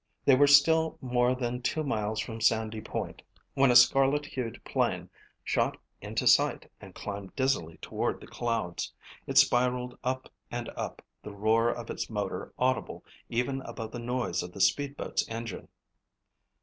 They were still more than two miles from Sandy Point when a scarlet hued plane shot into sight and climbed dizzily toward the clouds. It spiralled up and up, the roar of its motor audible even above the noise of the speedboat's engine.